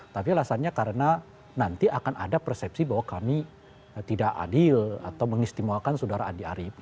tapi alasannya karena nanti akan ada persepsi bahwa kami tidak adil atau mengistimewakan saudara andi arief